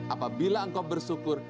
apabila engkau bersyukur